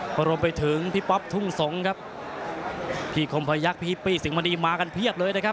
พอรวมไปถึงพี่ป๊อปทุ่งสงครับพี่คมพยักษ์พี่ฮิปปี้สิงหมณีมากันเพียบเลยนะครับ